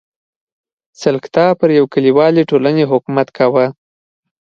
سلکتا پر یوې کلیوالې ټولنې حکومت کاوه.